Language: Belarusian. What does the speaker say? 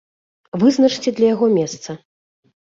Вызначце для яго месца.